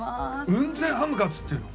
雲仙ハムカツっていうの？